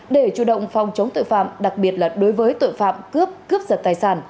để chủ động phòng chống tội phạm đặc biệt là đối với tội phạm cướp cướp giật tài sản